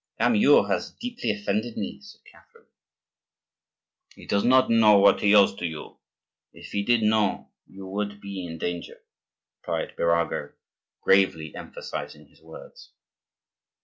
"Amyot has deeply offended me," said Catherine. "He does not know what he owes to you; if he did know, you would be in danger," replied Birago, gravely, emphasizing his words.